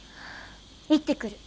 行ってくる。